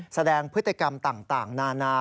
แสดงพฤติกรรมต่างนานา